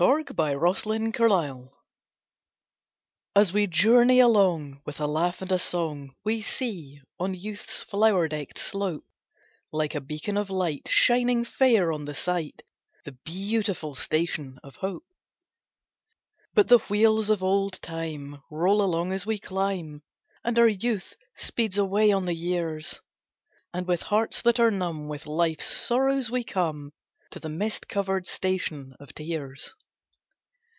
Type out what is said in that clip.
THE UNIVERSAL ROUTE As we journey along, with a laugh and a song, We see, on youth's flower decked slope, Like a beacon of light, shining fair on the sight, The beautiful Station of Hope. But the wheels of old Time roll along as we climb, And our youth speeds away on the years; And with hearts that are numb with life's sorrows we come To the mist covered Station of Tears.